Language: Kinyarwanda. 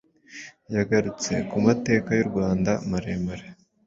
Yagarutse ku mateka y’u Rwanda maremare